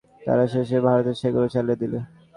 তারা শেষে ভারতে সেগুলি চালিয়ে দিলে।